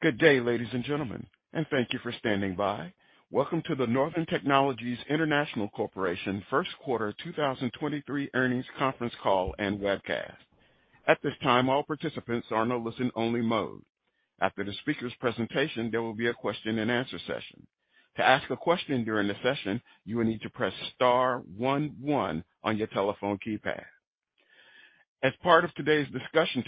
Good day, ladies and gentlemen. Thank you for standing by. Welcome to the Northern Technologies International Corporation first quarter 2023 earnings conference call and webcast. At this time, all participants are in a listen-only mode. After the speaker's presentation, there will be a question-and-answer session. To ask a question during the session, you will need to press star 11 on your telephone keypad. As part of today's discussion,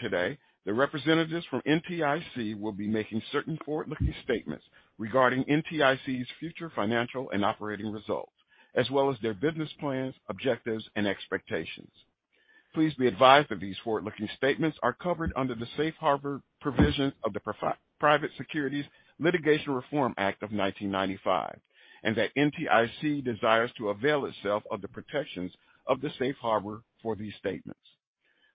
the representatives from NTIC will be making certain forward-looking statements regarding NTIC's future financial and operating results, as well as their business plans, objectives, and expectations. Please be advised that these forward-looking statements are covered under the safe harbor provisions of the Private Securities Litigation Reform Act of 1995, and that NTIC desires to avail itself of the protections of the safe harbor for these statements.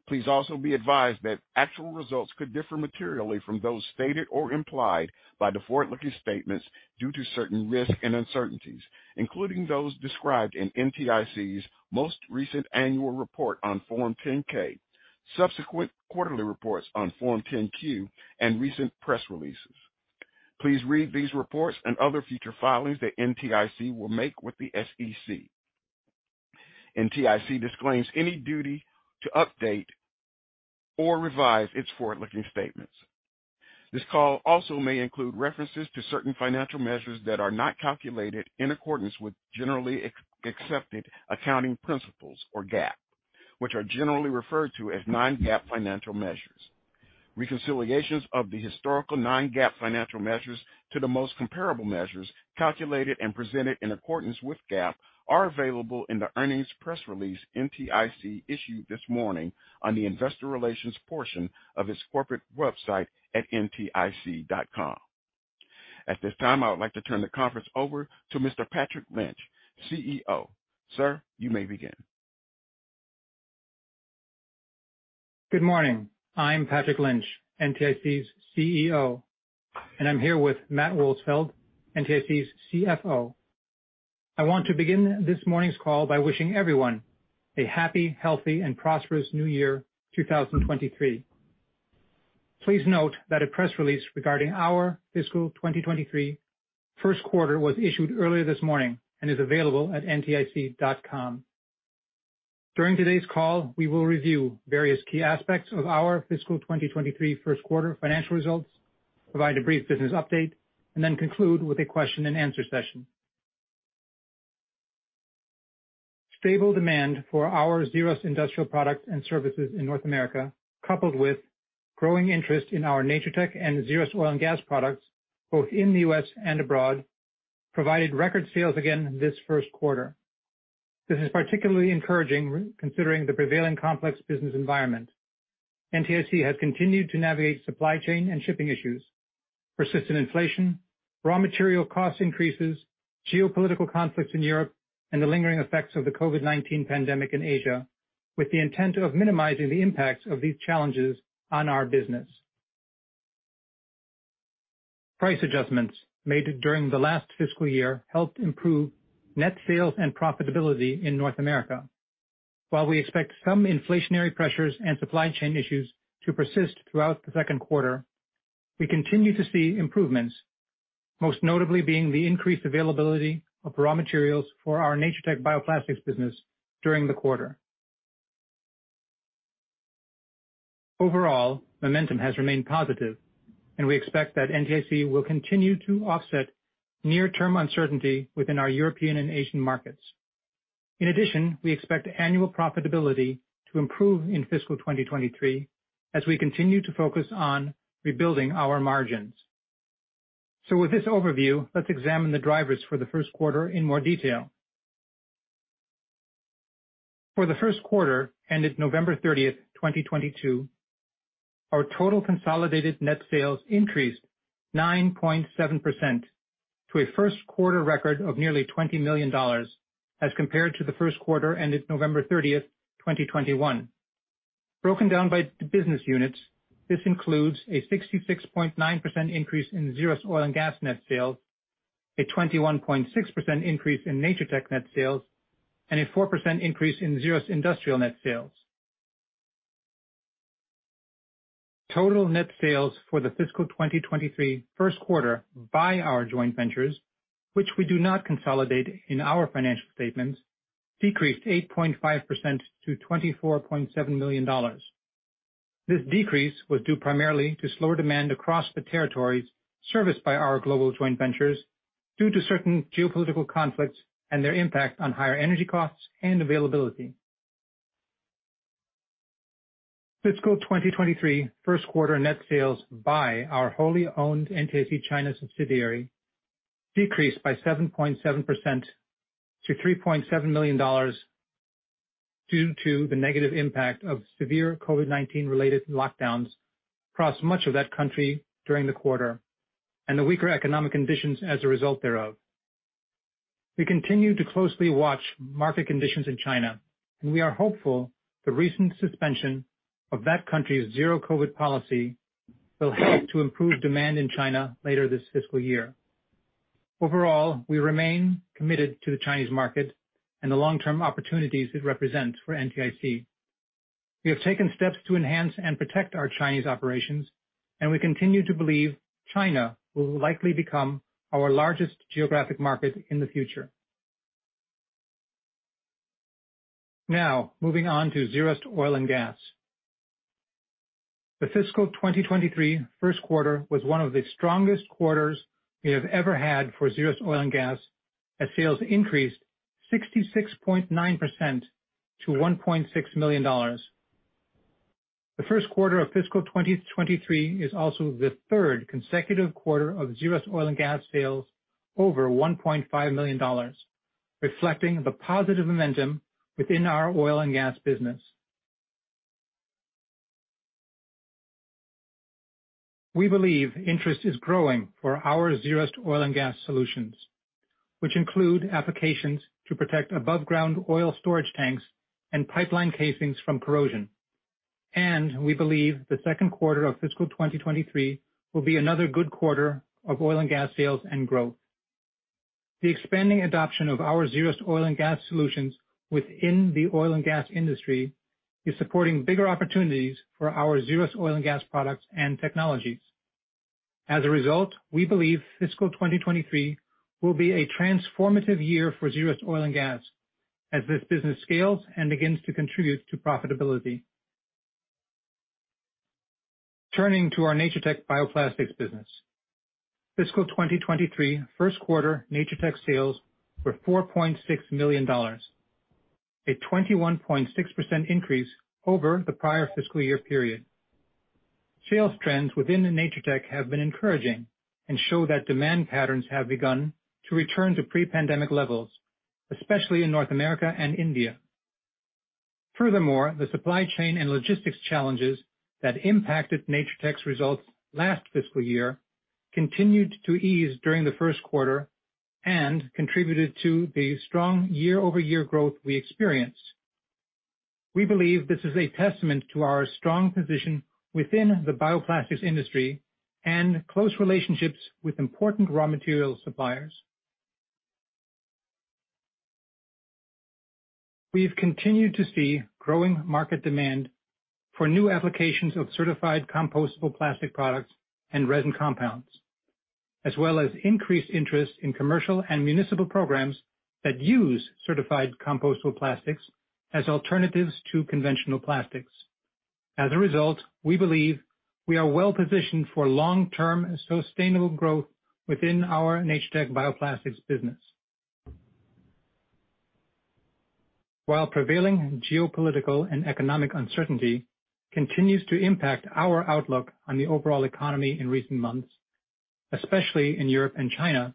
Please also be advised that actual results could differ materially from those stated or implied by the forward-looking statements due to certain risks and uncertainties, including those described in NTIC's most recent annual report on Form 10-K, subsequent quarterly reports on Form 10-Q, and recent press releases. Please read these reports and other future filings that NTIC will make with the SEC. NTIC disclaims any duty to update or revise its forward-looking statements. This call also may include references to certain financial measures that are not calculated in accordance with generally accepted accounting principles, or GAAP, which are generally referred to as non-GAAP financial measures. Reconciliations of the historical non-GAAP financial measures to the most comparable measures calculated and presented in accordance with GAAP are available in the earnings press release NTIC issued this morning on the Investor Relations portion of its corporate website at ntic.com. At this time, I would like to turn the conference over to Mr. Patrick Lynch, CEO. Sir, you may begin. Good morning. I'm Patrick Lynch, NTIC's CEO, and I'm here with Matt Wolsfeld, NTIC's CFO. I want to begin this morning's call by wishing everyone a happy, healthy, and prosperous New Year 2023. Please note that a press release regarding our fiscal year 2023 first quarter was issued earlier this morning and is available at ntic.com. During today's call, we will review various key aspects of our fiscal year 2023 first quarter financial results, provide a brief business update, and then conclude with a question-and-answer session. Stable demand for our ZERUST industrial products and services in North America, coupled with growing interest in our Natur-Tec and ZERUST Oil & Gas products, both in the U.S. and abroad, provided record sales again this first quarter. This is particularly encouraging considering the prevailing complex business environment. NTIC has continued to navigate supply chain and shipping issues, persistent inflation, raw material cost increases, geopolitical conflicts in Europe, and the lingering effects of the COVID-19 pandemic in Asia with the intent of minimizing the impacts of these challenges on our business. Price adjustments made during the last fiscal year helped improve net sales and profitability in North America. While we expect some inflationary pressures and supply chain issues to persist throughout the second quarter, we continue to see improvements, most notably being the increased availability of raw materials for our Natur-Tec bioplastics business during the quarter. Overall, momentum has remained positive, and we expect that NTIC will continue to offset near-term uncertainty within our European and Asian markets. In addition, we expect annual profitability to improve in fiscal year 2023 as we continue to focus on rebuilding our margins. With this overview, let's examine the drivers for the first quarter in more detail. For the first quarter ended November 30, 2022, our total consolidated net sales increased 9.7% to a first quarter record of nearly $20 million as compared to the first quarter ended November 30, 2021. Broken down by the business units, this includes a 66.9% increase in ZERUST Oil & Gas net sales, a 21.6% increase in Natur-Tec net sales, and a 4% increase in ZERUST industrial net sales. Total net sales for the fiscal year 2023 first quarter by our joint ventures, which we do not consolidate in our financial statements, decreased 8.5% to $24.7 million. This decrease was due primarily to slower demand across the territories serviced by our global joint ventures due to certain geopolitical conflicts and their impact on higher energy costs and availability. Fiscal year 2023 first quarter net sales by our wholly owned NTIC China subsidiary decreased by 7.7% to $3.7 million due to the negative impact of severe COVID-19 related lockdowns across much of that country during the quarter and the weaker economic conditions as a result thereof. We continue to closely watch market conditions in China, and we are hopeful the recent suspension of that country's zero COVID policy will help to improve demand in China later this fiscal year. Overall, we remain committed to the Chinese market and the long-term opportunities it represents for NTIC. We have taken steps to enhance and protect our Chinese operations, and we continue to believe China will likely become our largest geographic market in the future. Now, moving on to ZERUST Oil & Gas. The fiscal year 2023 first quarter was one of the strongest quarters we have ever had for ZERUST Oil & Gas, as sales increased 66.9% to $1.6 million. The first quarter of fiscal year 2023 is also the third consecutive quarter of ZERUST Oil & Gas sales over $1.5 million, reflecting the positive momentum within our oil and gas business. We believe interest is growing for our ZERUST Oil & Gas solutions, which include applications to protect above ground oil storage tanks and pipeline casings from corrosion, and we believe the second quarter of fiscal year 2023 will be another good quarter of oil and gas sales and growth. The expanding adoption of our ZERUST Oil & Gas solutions within the oil and gas industry is supporting bigger opportunities for our ZERUST Oil & Gas products and technologies. As a result, we believe fiscal year 2023 will be a transformative year for ZERUST Oil & Gas as this business scales and begins to contribute to profitability. Turning to our Natur-Tec bioplastics business. Fiscal year 2023 first quarter Natur-Tec sales were $4.6 million, a 21.6% increase over the prior fiscal year period. Sales trends within the Natur-Tec have been encouraging and show that demand patterns have begun to return to pre-pandemic levels, especially in North America and India. Furthermore, the supply chain and logistics challenges that impacted Natur-Tec's results last fiscal year continued to ease during the first quarter and contributed to the strong year-over-year growth we experienced. We believe this is a testament to our strong position within the bioplastics industry and close relationships with important raw material suppliers. We've continued to see growing market demand for new applications of certified compostable plastic products and resin compounds, as well as increased interest in commercial and municipal programs that use certified compostable plastics as alternatives to conventional plastics. As a result, we believe we are well-positioned for long-term sustainable growth within our Natur-Tec bioplastics business. While prevailing geopolitical and economic uncertainty continues to impact our outlook on the overall economy in recent months, especially in Europe and China,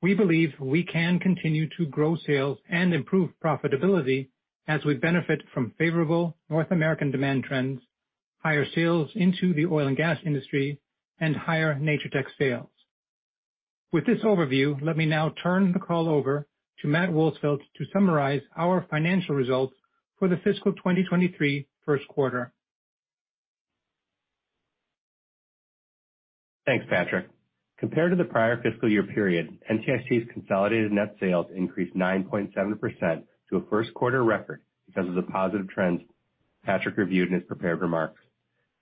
we believe we can continue to grow sales and improve profitability as we benefit from favorable North American demand trends, higher sales into the oil and gas industry, and higher Natur-Tec sales. With this overview, let me now turn the call over to Matt Wolsfeld to summarize our financial results for the fiscal year 2023 first quarter. Thanks, Patrick. Compared to the prior fiscal year period, NTIC's consolidated net sales increased 9.7% to a first quarter record because of the positive trends Patrick reviewed in his prepared remarks.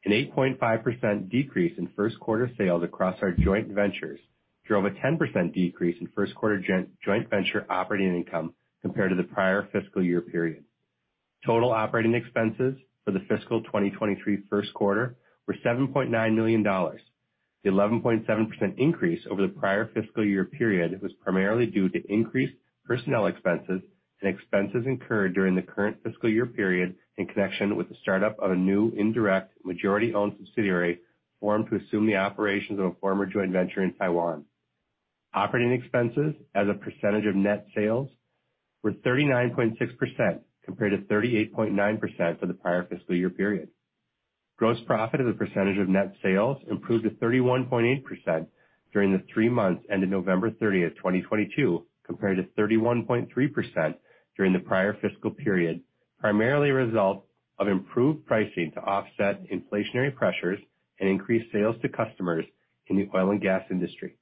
An 8.5% decrease in first quarter sales across our joint ventures drove a 10% decrease in first quarter joint venture operating income compared to the prior fiscal year period. Total operating expenses for the fiscal year 2023 first quarter were $7.9 million. The 11.7% increase over the prior fiscal year period was primarily due to increased personnel expenses and expenses incurred during the current fiscal year period in connection with the startup of a new indirect majority-owned subsidiary formed to assume the operations of a former joint venture in Taiwan. Operating expenses as a percentage of net sales were 39.6%, compared to 38.9% for the prior fiscal year period. Gross profit as a percentage of net sales improved to 31.8% during the three months ended November 30th, 2022, compared to 31.3% during the prior fiscal period, primarily a result of improved pricing to offset inflationary pressures and increased sales to customers in the oil and gas industry,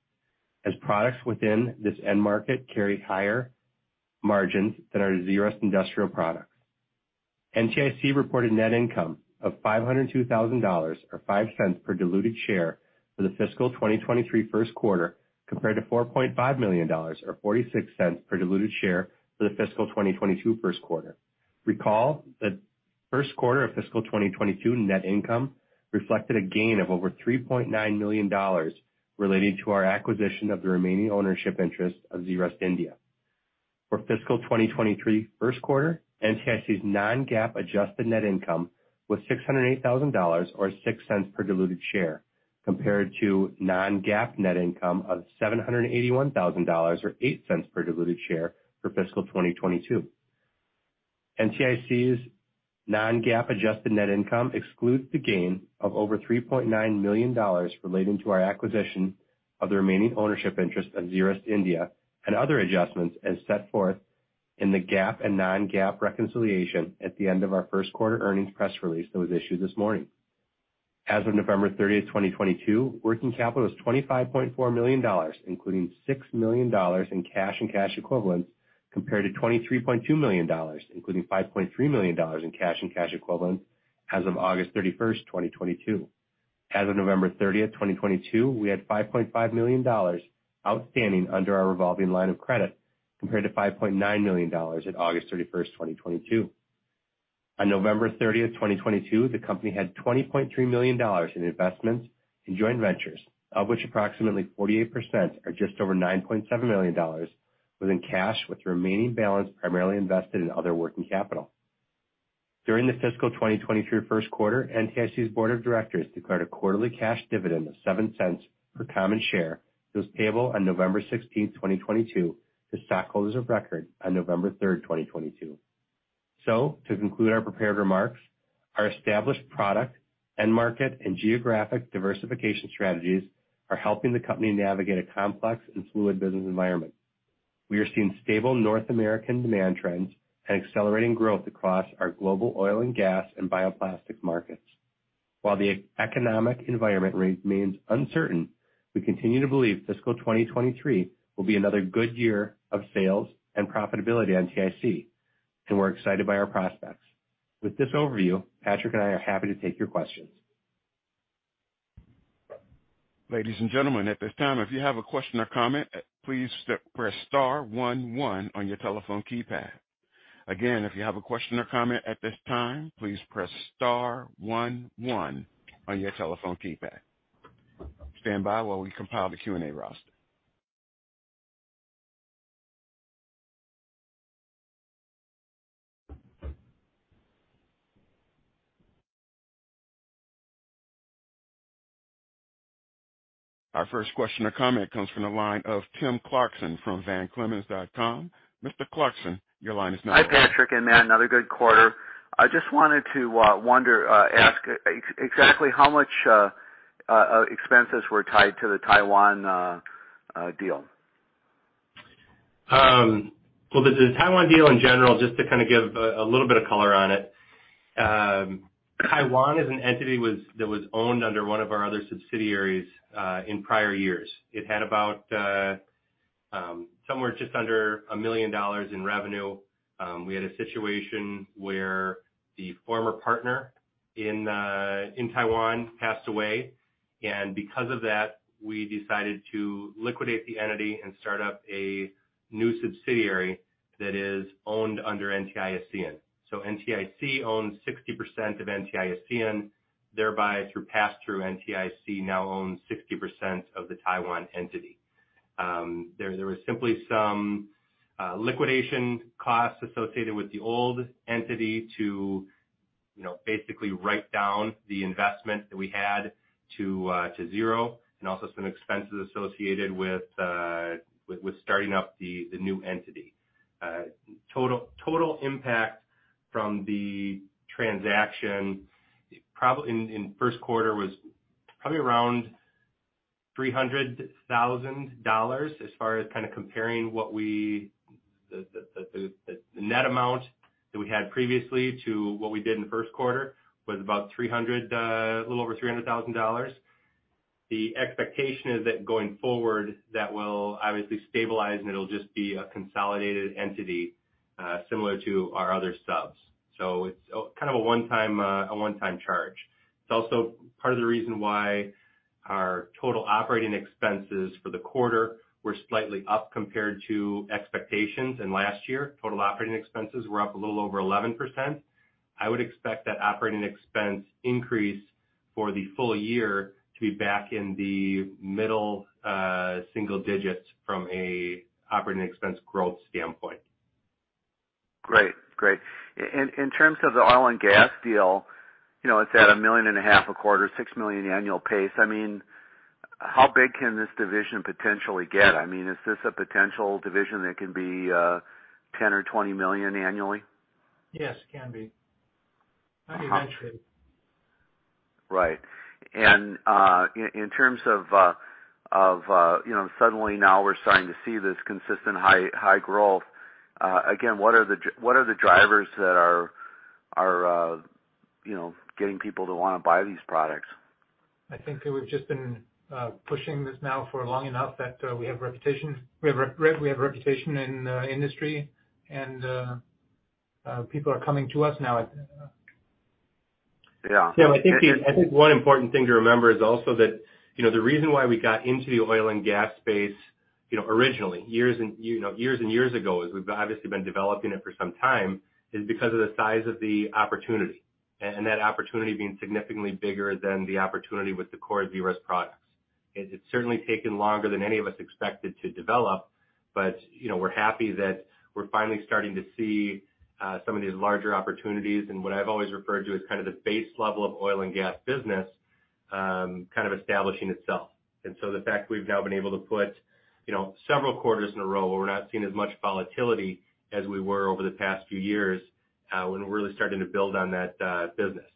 as products within this end market carry higher margins than our ZERUST industrial products. NTIC reported net income of $502,000, or $0.05 per diluted share for the fiscal year 2023 first quarter, compared to $4.5 million, or $0.46 per diluted share for the fiscal year 2022 first quarter. Recall that first quarter of fiscal year 2022 net income reflected a gain of over $3.9 million relating to our acquisition of the remaining ownership interest of ZERUST India. For fiscal year 2023 first quarter, NTIC's non-GAAP adjusted net income was $608,000, or $0.06 per diluted share, compared to non-GAAP net income of $781,000, or $0.08 per diluted share for fiscal year 2022. NTIC's non-GAAP adjusted net income excludes the gain of over $3.9 million relating to our acquisition of the remaining ownership interest of ZERUST India and other adjustments as set forth in the GAAP and non-GAAP reconciliation at the end of our first quarter earnings press release that was issued this morning. As of November 30, 2022, working capital is $25.4 million, including $6 million in cash and cash equivalents compared to $23.2 million, including $5.3 million in cash and cash equivalents as of August 31, 2022. As of November 30, 2022, we had $5.5 million outstanding under our revolving line of credit compared to $5.9 million at August 31, 2022. On November 30th, 2022, the company had $20.3 million in investments in joint ventures, of which approximately 48% are just over $9.7 million was in cash, with the remaining balance primarily invested in other working capital. During the fiscal year 2023 first quarter, NTIC's Board of Directors declared a quarterly cash dividend of $0.07 per common share that was payable on November 16th, 2022 to stockholders of record on November 3rd, 2022. To conclude our prepared remarks, our established product, end market, and geographic diversification strategies are helping the company navigate a complex and fluid business environment. We are seeing stable North American demand trends and accelerating growth across our global oil and gas and bioplastic markets. While the economic environment remains uncertain, we continue to believe fiscal year 2023 will be another good year of sales and profitability NTIC, and we're excited by our prospects. With this overview, Patrick and I are happy to take your questions. Ladies and gentlemen, at this time, if you have a question or comment, please press star one one on your telephone keypad. Again, if you have a question or comment at this time, please press star one one on your telephone keypad. Stand by while we compile the Q&A roster. Our first question or comment comes from the line of Tim Clarkson from Van Clemens & Co. Mr. Clarkson, your line is now open. Hi, Patrick and Matt. Another good quarter. I just wanted to ask exactly how much expenses were tied to the Taiwan deal. Well, the Taiwan deal in general, just to kind of give a little bit of color on it. Taiwan is an entity that was owned under one of our other subsidiaries in prior years. It had about somewhere just under $1 million in revenue. We had a situation where the former partner in Taiwan passed away. Because of that, we decided to liquidate the entity and start up a new subsidiary that is owned under NTICN. NTIC owns 60% of NTICN, thereby through pass-through NTIC now owns 60% of the Taiwan entity. There was simply some liquidation costs associated with the old entity to, you know, basically write down the investment that we had to zero, and also some expenses associated with starting up the new entity. Total impact from the transaction probably in first quarter was probably around $300,000 as far as kind of comparing what we the net amount that we had previously to what we did in the first quarter was about $300,000, a little over $300,000. The expectation is that going forward, that will obviously stabilize, and it'll just be a consolidated entity, similar to our other subs. It's kind of a one-time, a one-time charge. It's also part of the reason why our total operating expenses for the quarter were slightly up compared to expectations in last year. Total operating expenses were up a little over 11%. I would expect that operating expense increase for the full year to be back in the middle, single digits from a operating expense growth standpoint. Great. Great. In terms of the oil and gas deal, you know, it's at a million and a half a quarter, $6 million annual pace. I mean, how big can this division potentially get? I mean, is this a potential division that can be $10 million or $20 million annually? Yes, it can be. I mean, eventually. Right. In terms of, you know, suddenly now we're starting to see this consistent high, high growth, again, what are the drivers that are, you know, getting people to wanna buy these products? I think that we've just been pushing this now for long enough that we have reputation. We have reputation in industry and people are coming to us now. Yeah. Yeah, I think one important thing to remember is also that, you know, the reason why we got into the oil and gas space, you know, originally, years and, you know, years and years ago, as we've obviously been developing it for some time, is because of the size of the opportunity. That opportunity being significantly bigger than the opportunity with the core ZERUST products. It's certainly taken longer than any of us expected to develop, but, you know, we're happy that we're finally starting to see some of these larger opportunities and what I've always referred to as kind of the base level of oil and gas business, kind of establishing itself. The fact that we've now been able to put, you know, several quarters in a row where we're not seeing as much volatility as we were over the past few years, when we're really starting to build on that business.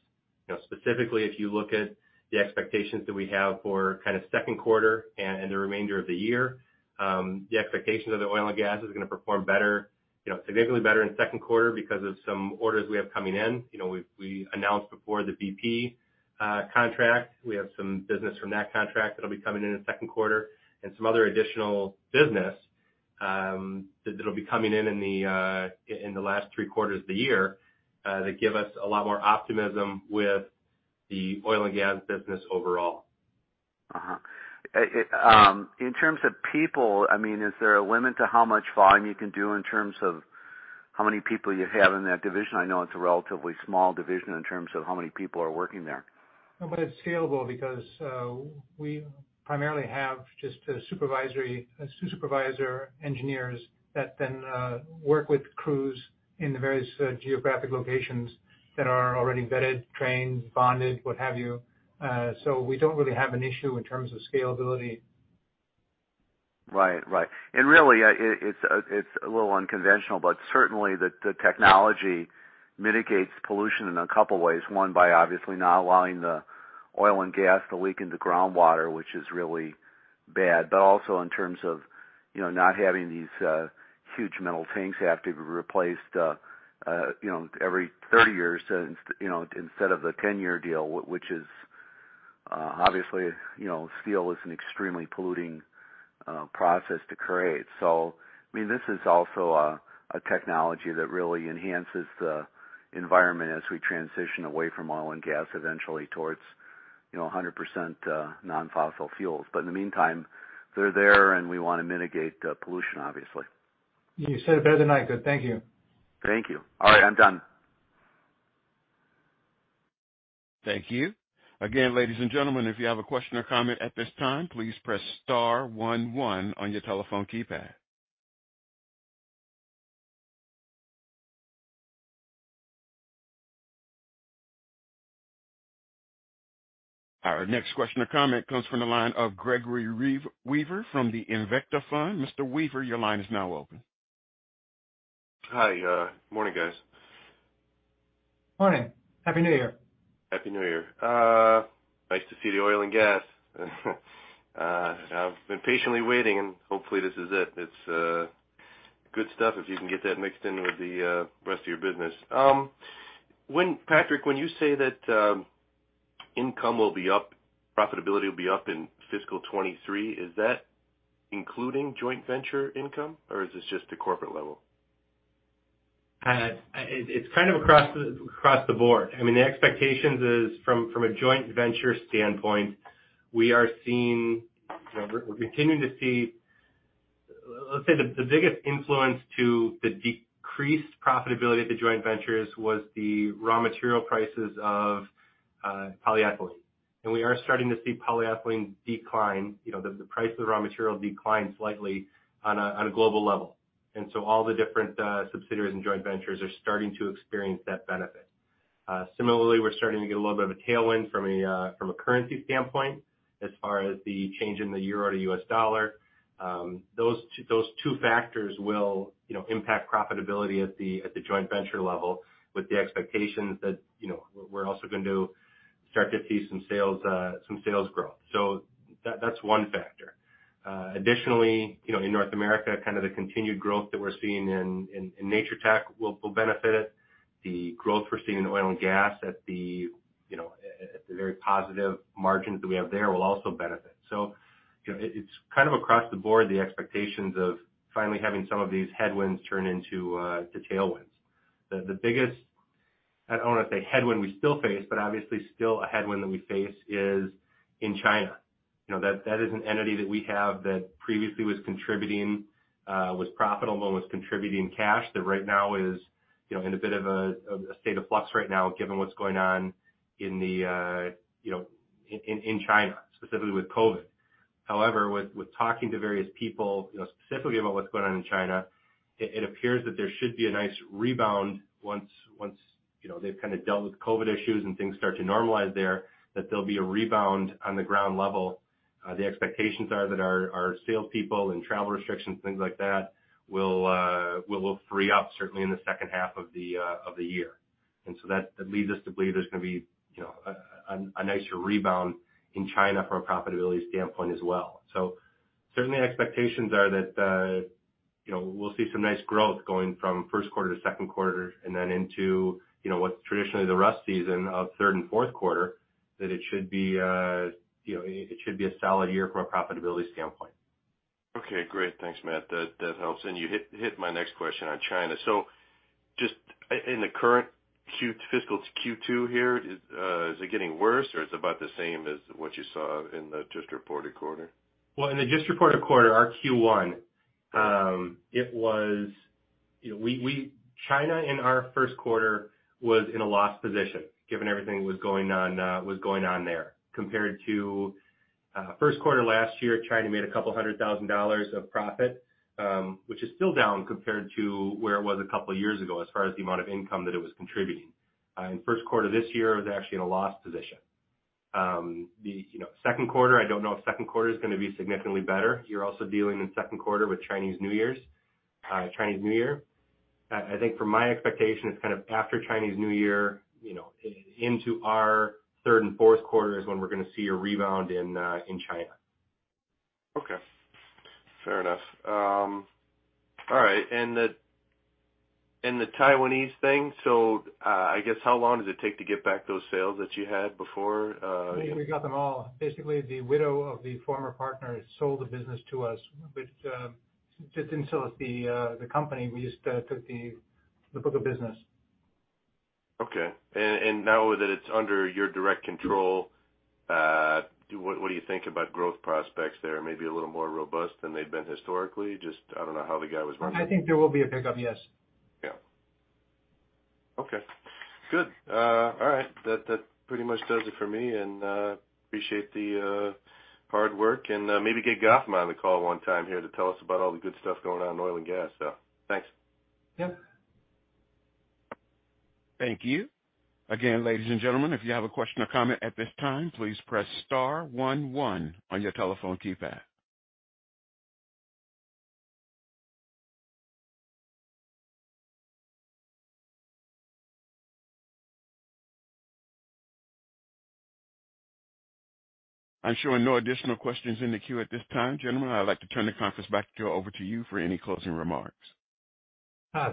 You know, specifically, if you look at the expectations that we have for kind of second quarter and the remainder of the year, the expectations of the oil and gas is gonna perform better, you know, significantly better in second quarter because of some orders we have coming in. You know, we announced before the BP contract. We have some business from that contract that'll be coming in in second quarter and some other additional business, that'll be coming in in the last three quarters of the year, that give us a lot more optimism with the oil and gas business overall. It, in terms of people, I mean, is there a limit to how much volume you can do in terms of how many people you have in that division? I know it's a relatively small division in terms of how many people are working there. It's scalable because we primarily have just a supervisor engineers that then work with crews in the various geographic locations that are already vetted, trained, bonded, what have you. We don't really have an issue in terms of scalability. Right. Right. Really, it's a little unconventional, but certainly the technology mitigates pollution in a couple ways. One, by obviously not allowing the oil and gas to leak into groundwater, which is really bad, but also in terms of, you know, not having these huge metal tanks have to be replaced, you know, every 30 years instead, you know, instead of the 10-year deal, which is, obviously, you know, steel is an extremely polluting process to create. I mean, this is also a technology that really enhances the environment as we transition away from oil and gas eventually towards, you know, 100% non-fossil fuels. In the meantime, they're there, and we wanna mitigate the pollution, obviously. You said it better than I could. Thank you. Thank you. All right, I'm done. Thank you. Again, ladies and gentlemen, if you have a question or comment at this time, please press star one one on your telephone keypad. Our next question or comment comes from the line of Gregory Weaver from the Invicta Fund. Mr. Weaver, your line is now open. Hi. Morning, guys. Morning. Happy New Year. Happy New Year. nice to see the oil and gas. I've been patiently waiting, and hopefully, this is it. It's good stuff if you can get that mixed in with the rest of your business. Patrick, when you say that income will be up, profitability will be up in fiscal year 2023, is that including joint venture income, or is this just the corporate level? It's kind of across the board. I mean, the expectations is from a joint venture standpoint, You know, let's say the biggest influence to the decreased profitability of the joint ventures was the raw material prices of polyethylene. We are starting to see polyethylene decline. You know, the price of the raw material decline slightly on a global level. All the different subsidiaries and joint ventures are starting to experience that benefit. Similarly, we're starting to get a little bit of a tailwind from a currency standpoint as far as the change in the euro to U.S. dollar. Those two factors will, you know, impact profitability at the joint venture level with the expectations that, you know, we're also going to start to see some sales growth. That's one factor. Additionally, you know, in North America, kind of the continued growth that we're seeing in Natur-Tec will benefit it. The growth we're seeing in oil and gas at the, you know, at the very positive margins that we have there will also benefit. You know, it's kind of across the board, the expectations of finally having some of these headwinds turn into tailwinds. The biggest, I don't wanna say headwind we still face, but obviously still a headwind that we face is in China. You know, that is an entity that we have that previously was contributing, was profitable and was contributing cash, that right now is, you know, in a bit of a, of a state of flux right now given what's going on in the, you know, in China, specifically with COVID. However, with talking to various people, you know, specifically about what's going on in China, it appears that there should be a nice rebound once, you know, they've kind of dealt with COVID issues and things start to normalize there, that there'll be a rebound on the ground level. The expectations are that our salespeople and travel restrictions, things like that will free up certainly in the second half of the year. That, that leads us to believe there's gonna be, you know, a nicer rebound in China from a profitability standpoint as well. Certainly our expectations are that, you know, we'll see some nice growth going from first quarter to second quarter and then into, you know, what's traditionally the rough season of third and fourth quarter, that it should be, you know, it should be a solid year from a profitability standpoint. Okay. Great. Thanks, Matt. That, that helps. You hit my next question on China. Just in the current fiscal Q2 here, is it getting worse, or it's about the same as what you saw in the just reported quarter? In the just reported quarter, our Q1, it was, you know, China in our first quarter was in a loss position given everything that was going on there. Compared to first quarter last year, China made a couple hundred thousand dollars of profit, which is still down compared to where it was a couple years ago as far as the amount of income that it was contributing. In first quarter this year, it was actually in a loss position. The, you know, second quarter, I don't know if second quarter is gonna be significantly better. You're also dealing in second quarter with Chinese New Year. I think from my expectation, it's kind of after Chinese New Year, you know, into our third and fourth quarter is when we're gonna see a rebound in China. Okay. Fair enough. All right. The, and the Taiwanese thing, I guess how long does it take to get back those sales that you had before? We got them all. The widow of the former partner sold the business to us, which she didn't sell us the company. We just took the book of business. Okay. Now that it's under your direct control, what do you think about growth prospects there? Maybe a little more robust than they've been historically? Just I don't know how the guy was running it. I think there will be a pickup, yes. Yeah. Okay. Good. All right. That, that pretty much does it for me. Appreciate the hard work. Maybe get Goffman on the call one time here to tell us about all the good stuff going on in oil and gas. Thanks. Yeah. Thank you. Again, ladies and gentlemen, if you have a question or comment at this time, please press star one one on your telephone keypad. I'm showing no additional questions in the queue at this time. Gentlemen, I'd like to turn the conference back to you, over to you for any closing remarks.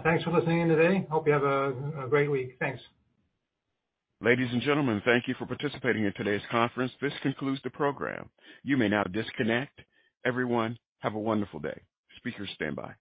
Thanks for listening in today. Hope you have a great week. Thanks. Ladies and gentlemen, thank you for participating in today's conference. This concludes the program. You may now disconnect. Everyone, have a wonderful day. Speakers stand by.